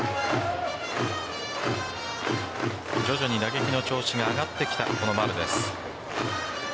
徐々に打撃の調子が上がってきたこの丸です。